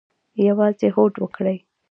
یوازې هوډ وکړئ